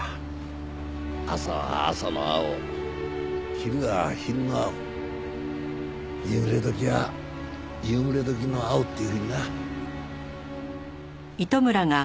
朝は朝の蒼昼は昼の蒼夕暮れ時は夕暮れ時の蒼っていうふうにな。